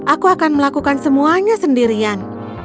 aku akan melakukan semuanya sendirian